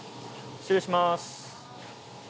失礼します。